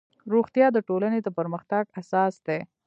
روغتیا د ټولنې د پرمختګ اساس دی